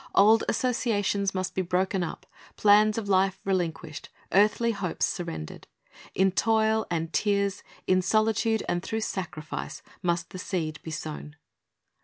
Old associations must be broken up, plans of life relinquished, earthly hopes surrendered. In toil and I '►4. ■' 7'he sower 'IL, ^^'■' forth ^^'. ^■f^ tears, in solitude, and through sacrifice, must the seed be sown.